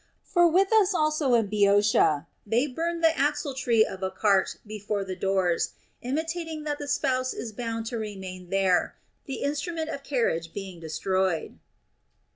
For with us also in Boeotia they burn the axletree of a cart before the doors, intimating that the spouse is bound to remain there, the instrument of carriage being destroyed.